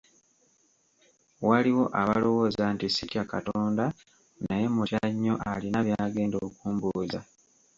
Waliwo abalowooza nti sitya Katonda naye mmutya nnyo alina by’agenda okumbuuza.